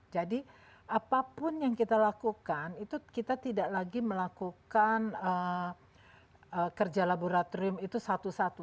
jadi apapun yang kita lakukan itu kita tidak lagi melakukan kerja laboratorium itu satu satu